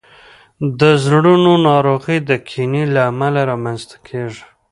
د زړونو ناروغۍ د کینې له امله رامنځته کیږي.